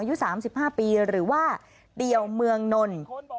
อายุ๓๕ปีหรือว่าเดี่ยวเมืองนนท์